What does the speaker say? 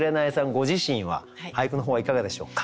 ご自身は俳句の方はいかがでしょうか？